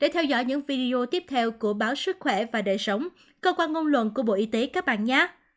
để theo dõi những video tiếp theo của báo sức khỏe và đời sống cơ quan ngôn luận của bộ y tế các bản nhé